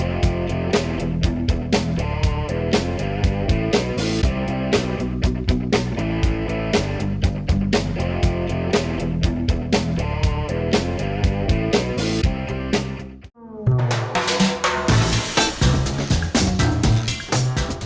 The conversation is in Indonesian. awal sepuluh juta rupiah